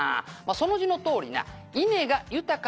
「その字のとおりな」